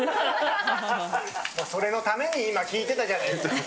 それのために今聞いてたじゃないですか。